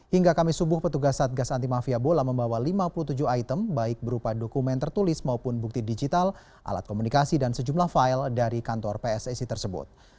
hingga kamis subuh petugas satgas anti mafia bola membawa lima puluh tujuh item baik berupa dokumen tertulis maupun bukti digital alat komunikasi dan sejumlah file dari kantor pssi tersebut